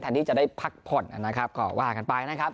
ที่จะได้พักผ่อนนะครับก็ว่ากันไปนะครับ